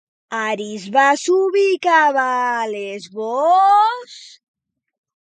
Arisba s'ubicava a Lesbos?